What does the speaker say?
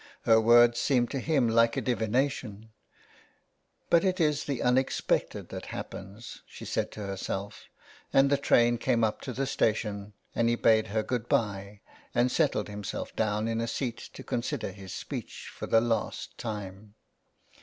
Her words seemed to him like a divina tion ! But it is the unexpected that happens, she said to herself, and the train came up to the station, and he bade her good bye, and settled himself down in a seat to consider his speech for the last time.